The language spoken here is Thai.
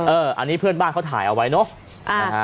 อันนี้เพื่อนบ้านเขาถ่ายเอาไว้เนอะ